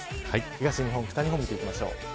東日本、北日本見ていきましょう。